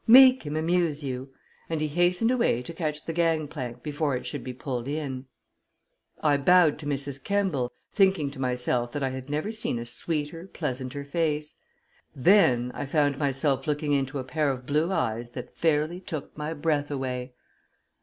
"Make him amuse you!" and he hastened away to catch the gang plank before it should be pulled in. I bowed to Mrs. Kemball, thinking to myself that I had never seen a sweeter, pleasanter face. Then I found myself looking into a pair of blue eyes that fairly took my breath away.